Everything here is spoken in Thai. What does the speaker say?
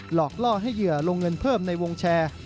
หลอกล่อให้เหยื่อลงเงินเพิ่มในวงแชร์